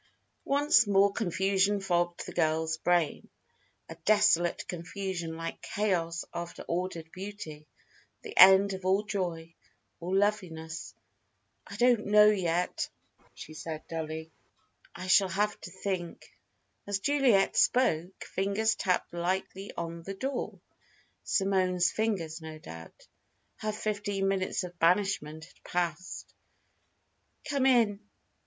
Once more confusion fogged the girl's brain, a desolate confusion like chaos after ordered beauty; the end of all joy, all loveliness. "I don't know yet," she said, dully. "I shall have to think." As Juliet spoke, fingers tapped lightly on the door: Simone's fingers, no doubt. Her fifteen minutes of banishment had passed. "Come in!"